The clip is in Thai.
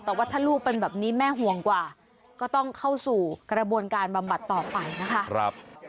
แต่ว่าถ้าลูกเป็นแบบนี้แม่ห่วงกว่าก็ต้องเข้าสู่กระบวนการบำบัดต่อไปนะคะ